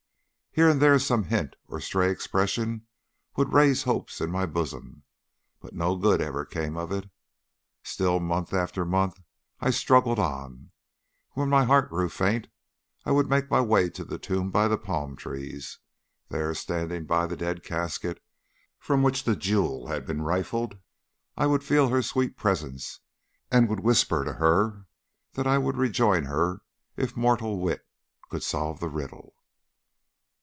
Here and there some hint or stray expression would raise hope in my bosom, but no good ever came of it. Still, month after month, I struggled on. When my heart grew faint I would make my way to the tomb by the palm trees. There, standing by the dead casket from which the jewel had been rifled, I would feel her sweet presence, and would whisper to her that I would rejoin her if mortal wit could solve the riddle.